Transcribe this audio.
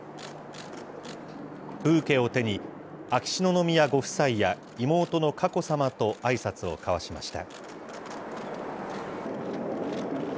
ブーケを手に、秋篠宮ご夫妻や、妹の佳子さまとあいさつを交わしました。